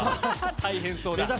大変そうだ。